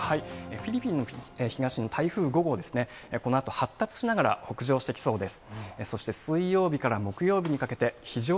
フィリピンの東の台風５号ですね、このあと発達しながら、北上してきそうです。